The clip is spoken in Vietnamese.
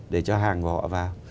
để cho hàng của họ vào